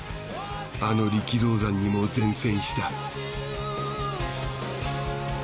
あの力道山にも善戦した。